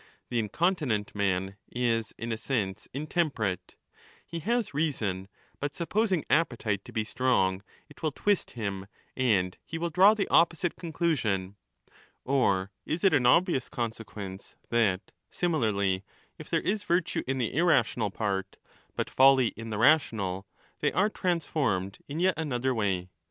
The incontinent man is in a sense ^ intemperate ; he has reason, but supposing appetite to be strong it will twist him 15 and he will draw the opposite conclusion. Or is it an obvious consequence ^ that, similarly, if there is virtue in the irrational part, but folly* in the rational, they are trans formed in yet another way.